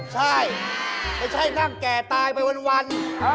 ใช่ไม่ใช่นั่งแก่ตายไปวัน